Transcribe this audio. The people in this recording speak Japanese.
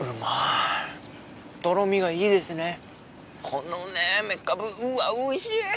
このねメカブうわおいしい！